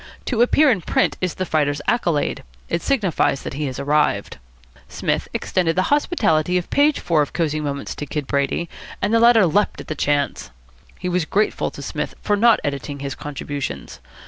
To appear in print is the fighter's accolade. It signifies that he has arrived. Psmith extended the hospitality of page four of Cosy Moments to Kid Brady, and the latter leaped at the chance. He was grateful to Psmith for not editing his contributions.